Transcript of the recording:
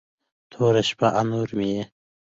توره شپه، انور مې یې